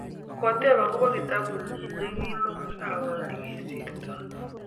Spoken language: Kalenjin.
Koteb akoba kitabut nyi nekimong' arawet nekisirtoi